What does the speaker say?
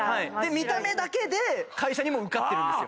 見た目だけで会社にも受かってるんですよ。